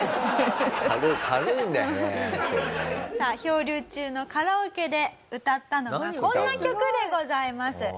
さあ漂流中のカラオケで歌ったのがこんな曲でございます。